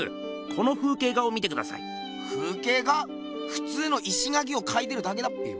ふつうの石垣を描いてるだけだっぺ。